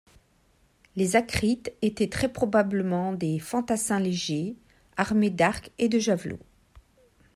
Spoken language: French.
Les akrites étaient très probablement des fantassins légers, armés d'arcs et de javelots.